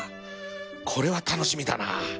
これは楽しみだなあ